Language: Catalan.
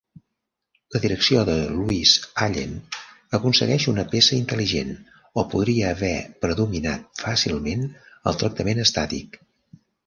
La direcció de Luis Allen aconsegueix una peça intel·ligent o podria haver predominat fàcilment el tractament estàtic.